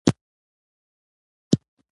یا په بل عبارت بله مانا هم لري